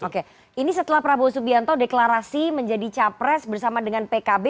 oke ini setelah prabowo subianto deklarasi menjadi capres bersama dengan pkb